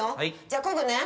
じゃあこぐね。